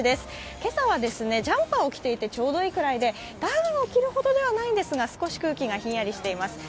今朝はジャンパーを着ていてちょうどいいくらいで、ダウンを着るほどではないんですが少し空気がひんやりしています。